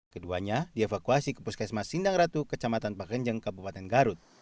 keduanya dievakuasi ke puskesmas sindang ratu kecamatan pakenjeng kabupaten garut